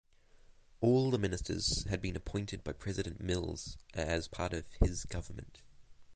All the ministers had appointed by President Mills as part of his government.